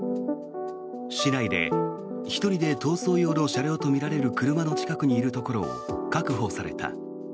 市内で１人で逃走用の車両とみられる車の近くにいるところを確保された。